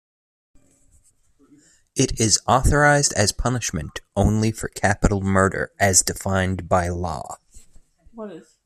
It is authorized as punishment only for capital murder, as defined by law.